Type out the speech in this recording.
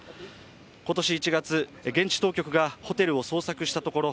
今年１月、現地当局がホテルを捜索したところ